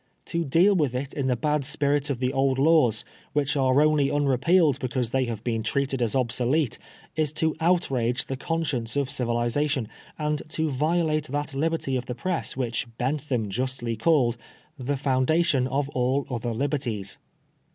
To deal with it in the bad spirit of the old laws, which are only unrepealed because they have been treated as obsolete, is to outrage the conscience of civilisation, and to violate that liberty of the press which Bentham justly called * t^e foundation of all other liberties.'